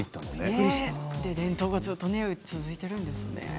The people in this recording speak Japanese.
伝統がずっと続いているんですね。